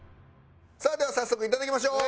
さあでは早速いただきましょう。